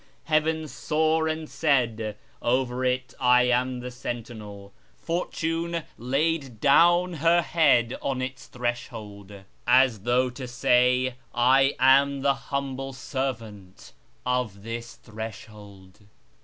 Heaven saw, and said, ' Over it I am the sentinel !' Fortune laid down her head on its threshold. As though to say, ' I am the humble servant of this threshold.'